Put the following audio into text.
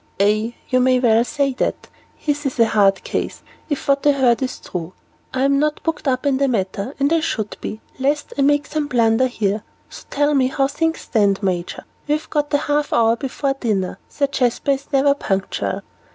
"Aye, you may well say that; his is a hard case, if what I heard is true. I'm not booked up in the matter, and I should be, lest I make some blunder here, so tell me how things stand, Major. We've a good half hour before dinner. Sir Jasper is never punctual."